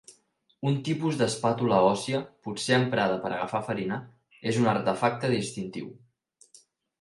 Un tipus d'espàtula òssia, potser emprada per agafar farina, és un artefacte distintiu.